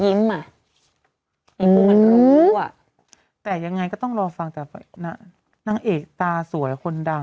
ไอ้พวกมันรู้อ่ะแต่ยังไงก็ต้องรอฟังแต่นางเอกตาสวยคนดัง